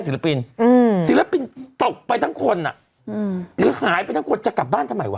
ศิลปินอืมศิลปินตกไปทั้งคนอ่ะอืมหรือหายไปทั้งคนจะกลับบ้านทำไมวะ